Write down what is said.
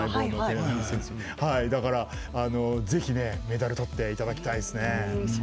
だから、ぜひメダルとっていただきたいですね。